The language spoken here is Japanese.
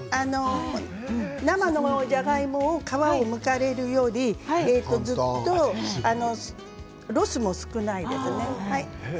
生のじゃがいもの皮をむくよりもこの方がずっとロスも少ないですね。